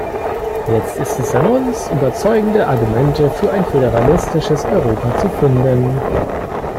Jetzt ist es an uns, überzeugende Argumente für ein föderalistisches Europa zu finden.